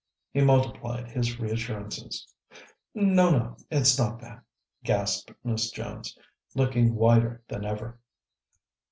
He multiplied his reassurances. "No, no; it's not that," gasped Miss Jones, looking whiter than ever.